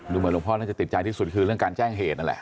เหมือนหลวงพ่อน่าจะติดใจที่สุดคือเรื่องการแจ้งเหตุนั่นแหละ